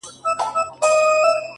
تاريخ د درد شاهد پاتې کيږي،